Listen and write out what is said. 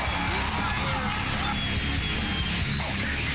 พระเจ้าหนีนี่